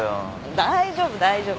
大丈夫大丈夫。